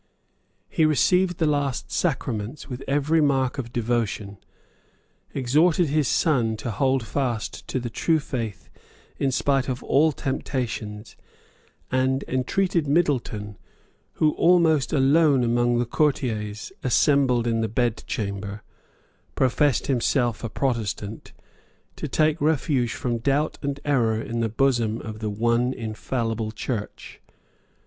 He received the last sacraments with every mark of devotion, exhorted his son to hold fast to the true faith in spite of all temptations, and entreated Middleton, who, almost alone among the courtiers assembled in the bedchamber, professed himself a Protestant, to take refuge from doubt and error in the bosom of the one infallible Church.